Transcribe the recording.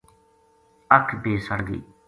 اَکھ بے سڑ گئی